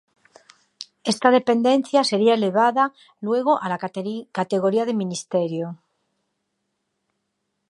Esta dependencia sería elevada luego a la categoría de ministerio.